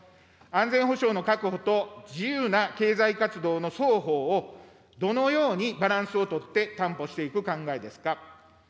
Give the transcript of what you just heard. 安全保障の確保と自由な経済活動の双方を、どのようにバランスを取って担保していく考えですか。